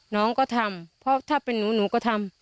น้องก็ทำเพราะถ้าเป็นหนูหนูก็ทำ